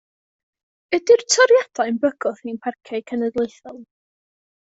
Ydi toriadau'n bygwth ein Parciau Cenedlaethol?